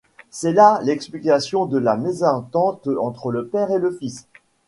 C'est là l'explication de la mésentente entre le père et le fils.